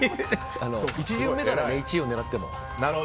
１巡目から１位を狙っても。